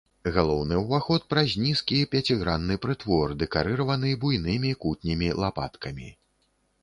Галоўны ўваход праз нізкі пяцігранны прытвор дэкарыраваны буйнымі кутнімі лапаткамі.